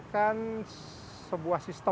sekarang namanya desanya desa taru